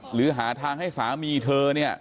หรือหาทางให้สามีเธอ